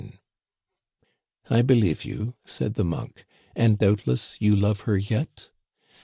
* ^I believe you/ said the monk; *and doubtless you love her yet